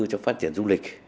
cho phát triển du lịch